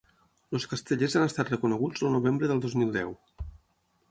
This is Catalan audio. Els castellers han estat reconeguts el novembre del dos mil deu.